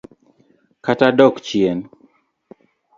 Kata dok chien.